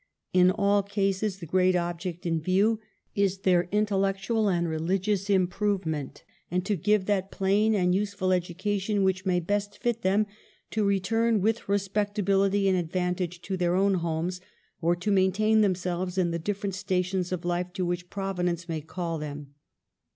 In all cases the great object in view is their intellectual and religious improvement ; and to give that plain and useful education which may best fit them to return with respectability and advantage to their own homes ; or to main tain themselves in the different stations of life to which Providence may call them."